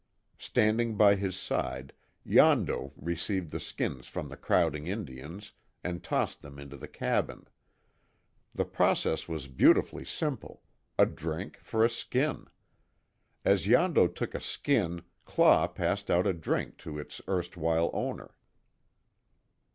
Standing by his side, Yondo received the skins from the crowding Indians, and tossed them into the cabin. The process was beautifully simple a drink for a skin. As Yondo took a skin Claw passed out a drink to its erstwhile owner.